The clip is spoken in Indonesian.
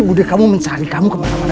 udah kamu mencari kamu kemana mana